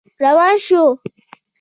روان شو.